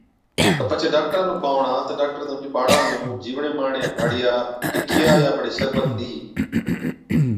تہ پڇي ڊاڪٽرا نُون بانوَڻا تہ ڊاڪٽر تمچي ٻاڙا نُون جِيوڙين مارڻي هاڙِيا ٽِڪِيا يان بڙي شربت ڏِيهِي۔